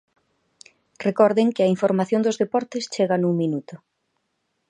Recorden que a información dos deportes chega nun minuto.